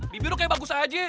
bibir lo kayak bagus aja